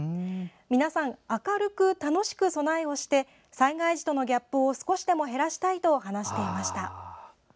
皆さん、明るく楽しく備えをして災害時とのギャップを少しでも減らしたいと話していました。